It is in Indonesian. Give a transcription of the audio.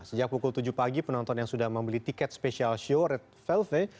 sejak pukul tujuh pagi penonton yang sudah membeli tiket spesial show red velve